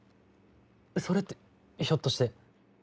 それってひょっとして」。